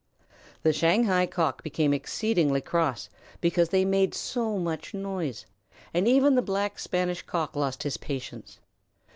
The Shanghai Cock became exceedingly cross because they made so much noise, and even the Black Spanish Cock lost his patience.